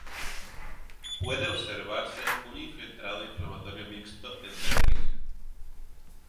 Puede observarse un infiltrado inflamatorio mixto en dermis.